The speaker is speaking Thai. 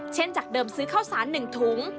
จากเดิมซื้อข้าวสาร๑ถุง